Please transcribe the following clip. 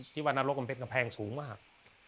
ที่ว่านรกมันเป็นกำแพงสูงมาก